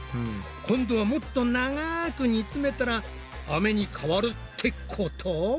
今度はもっと長く煮つめたらアメに変わるってこと？